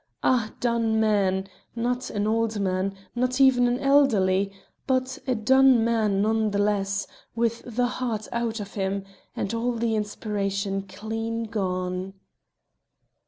A done man! Not an old man; not even an elderly, but a done man none the less, with the heart out of him, and all the inspiration clean gone!